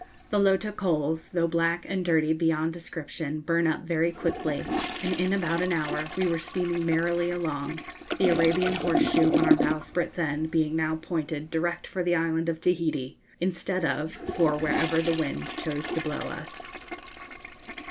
The Lota coals, though black and dirty beyond description, burn up very quickly, and in about an hour we were steaming merrily along, the Arabian horseshoe on our bowsprit's end being now pointed direct for the island of Tahiti, instead of for wherever the wind chose to blow us.